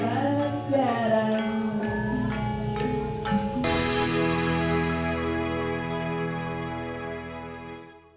karena mereka masih dalam fase muamian